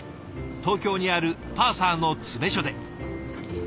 東京にあるパーサーの詰め所で。